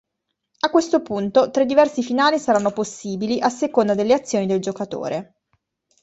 A questo punto, tre diversi finali saranno possibili a seconda delle azioni del giocatore.